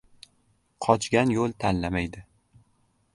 • Qochgan yo‘l tanlamaydi.